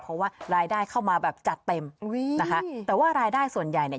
เพราะว่ารายได้เข้ามาแบบจัดเต็มนะคะแต่ว่ารายได้ส่วนใหญ่เนี่ย